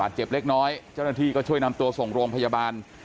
เจ็บเล็กน้อยเจ้าหน้าที่ก็ช่วยนำตัวส่งโรงพยาบาล